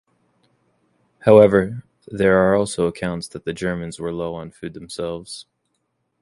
However, there are also accounts that the Germans were low on food themselves.